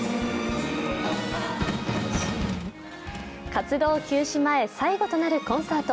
活動休止前最後となるコンサート。